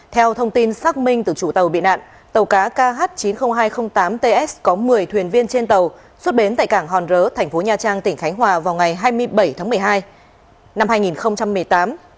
theo thông tin xác minh từ chủ tàu bị nạn tàu cá kh chín mươi nghìn hai trăm linh tám ts có một mươi thuyền viên trên tàu xuất bến tại cảng hòn rớ thành phố nha trang tỉnh khánh hòa vào ngày hai mươi bảy tháng một mươi hai năm hai nghìn một mươi tám